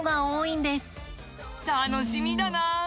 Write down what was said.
楽しみだな。